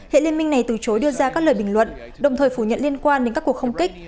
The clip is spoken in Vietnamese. hiện liên minh này từ chối đưa ra các lời bình luận đồng thời phủ nhận liên quan đến các cuộc không kích